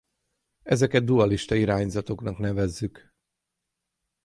Ezeket dualista irányzatoknak nevezzük.